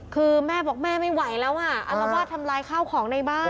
คือแม่บอกแม่ไม่ไหวแล้วอ่ะอารวาสทำลายข้าวของในบ้าน